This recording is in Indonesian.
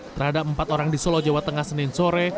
terhadap empat orang di solo jawa tengah senin sore